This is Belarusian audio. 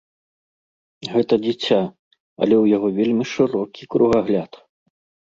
Гэта дзіця, але ў яго вельмі шырокі кругагляд!